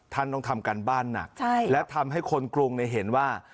ท่านต้องทำการบ้านหนักและทำให้คนกรุงเห็นว่า